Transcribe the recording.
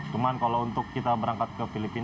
cuman kalau untuk kita berangkat ke filipina